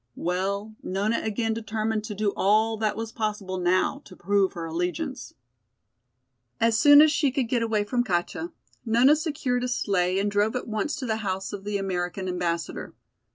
Well, Nona again determined to do all that was possible now to prove her allegiance. As soon as she could get away from Katja, Nona secured a sleigh and drove at once to the house of the American Ambassador.